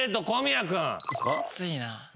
きついな。